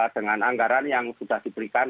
dengan anggaran yang sudah diberikan